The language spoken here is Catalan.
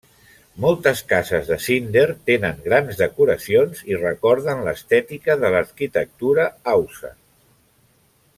Moltes cases de Zinder tenen grans decoracions i recorden l'estètica de l'arquitectura haussa.